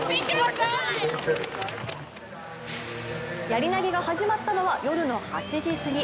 やり投げが始まったのは夜の８時すぎ。